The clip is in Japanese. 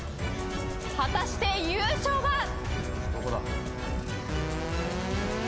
果たして優勝は？